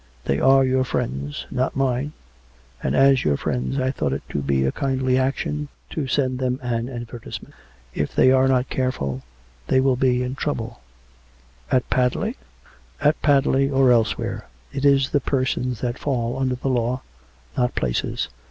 They are your friends, not mine. And as your friends, I thought it to be a kindly action to send them an advertisement. If they are not careful, there will be trouble." "At Padley?" " At Padley, or elsewhere. It is the persons that fall under the law, not places